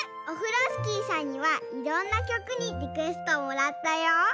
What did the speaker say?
オフロスキーさんにはいろんなきょくにリクエストをもらったよ。